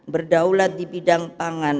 berdaulat di bidang pangan